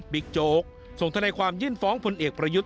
โจ๊กส่งธนายความยื่นฟ้องพลเอกประยุทธ์